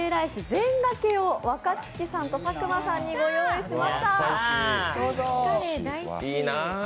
全がけを若槻さんと佐久間さんにご用意しました。